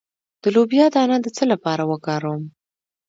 د لوبیا دانه د څه لپاره وکاروم؟